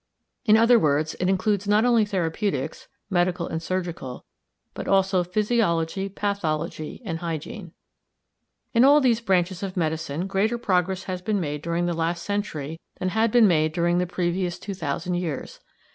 In other words, it includes not only therapeutics, medical and surgical, but also physiology, pathology, and hygiene. In all these branches of medicine greater progress has been made during the last century than had been made during the previous two thousand years.